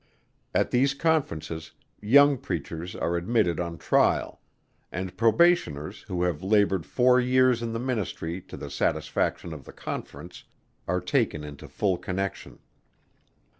At these conferences young Preachers are admitted on trial, and probationers who have laboured four years in the Ministry to the satisfaction of the Conference, are taken into full connection.